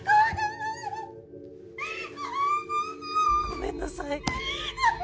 ごめんなさい。